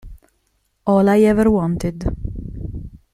All I Ever Wanted